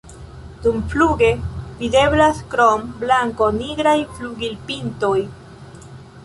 Dumfluge videblas krom blanko nigraj flugilpintoj.